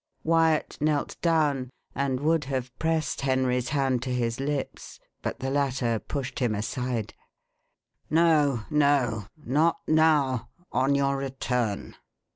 Wyat knelt down, and would have pressed Henry's hand to his lips, but the latter pushed him aside. "No no! Not now on your return."